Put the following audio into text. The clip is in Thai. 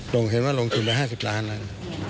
เห็นว่าลงทุนไป๕๐ล้านแล้ว